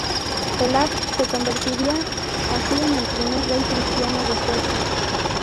Olaf se convertiría así en el primer rey cristiano de Suecia.